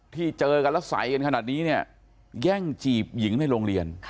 เจอกันแล้วใส่กันขนาดนี้เนี่ยแย่งจีบหญิงในโรงเรียน